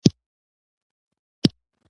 ځینې محصلین د ټولګی ملګرو ملاتړ کوي.